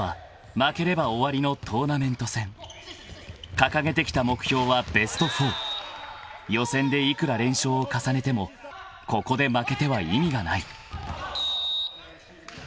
［掲げてきた目標はベスト４］［予選でいくら連勝を重ねてもここで負けては意味がない］